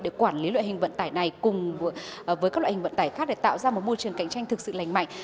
để quản lý loại hình vận tải này cùng với các loại hình vận tải khác để tạo ra một môi trường cạnh tranh thực sự lành mạnh